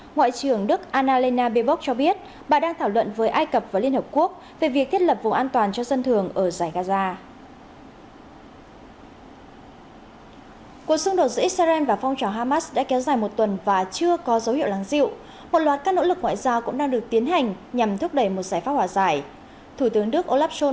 ngoại trưởng blinken đã nhấn mạnh sự cần thiết về bảo vệ tính mạng dân thường ở giải gaza cũng như thiết lập một số vùng an toàn nơi dân thường có thể tái định cư sau khi nhà nước gia thái kêu gọi một triệu người ở đây đi di tản